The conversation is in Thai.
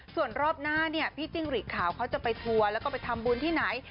ส่วนรอบหน้าเนี่ยพี่จิ้งหลีกขาวเขาจะไปทัวร์แล้วก็ไปทำบุญที่ไหน